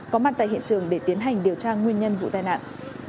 có mặt tại hiện trường để tiến hành điều tra nguyên nhân vụ tai nạn